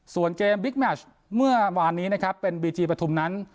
ส่วนเกมบิ๊กแมชเมื่อวานนี้นะครับเป็นบีจีปฐุมนั้น